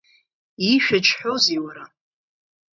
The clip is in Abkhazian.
Иишәаџьҳәозеи, уара?